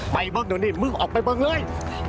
ไปบ้างเดี๋ยวนี้มึงออกไปบ้างเลย